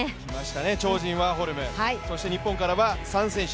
超人ワーホルム、そして日本からは３選手。